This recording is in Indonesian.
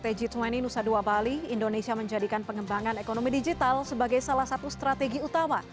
menurut jani nusadwa bali indonesia menjadikan pengembangan ekonomi digital sebagai salah satu strategi utama